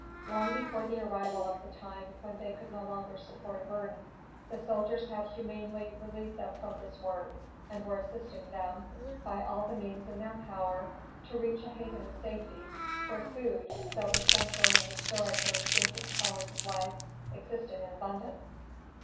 Long before the arrival of the time when they could no longer support a burden, the soldiers had humanely relieved them from this work and were assisting them, by all the means in their power, to reach a haven of safety, where food, so essential in restoring their sinking powers of life, existed in abundance.